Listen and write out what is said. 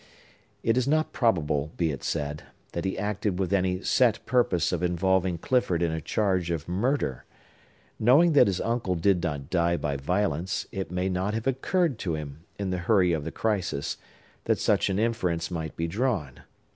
It is not probable, be it said, that he acted with any set purpose of involving Clifford in a charge of murder. Knowing that his uncle did not die by violence, it may not have occurred to him, in the hurry of the crisis, that such an inference might be drawn.